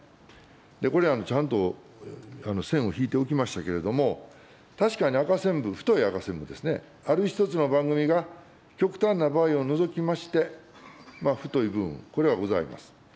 これ、ちゃんと線を引いておきましたけれども、確かに赤線部、太い赤線部ですね、ある一つの番組が極端な場合を除きまして、太い部分、これはございますと。